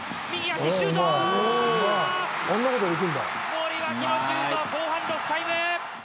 森脇のシュートは後半ロスタイム！